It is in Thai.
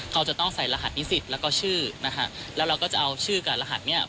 เขาจะต้องใส่รหัสนิสิตแล้วก็ชื่อนะคะแล้วเราก็จะเอาชื่อกับรหัสเนี่ย